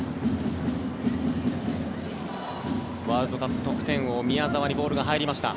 ワールドカップ得点王、宮澤にボールが入りました。